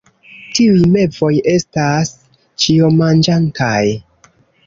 Tiuj mevoj estas ĉiomanĝantaj.